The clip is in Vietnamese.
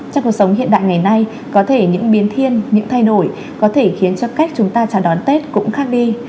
trong cuộc sống hiện đại ngày nay có thể những biến thiên những thay đổi có thể khiến cho cách chúng ta chào đón tết cũng khác đi